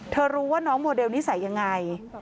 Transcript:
รู้ว่าน้องโมเดลนิสัยยังไง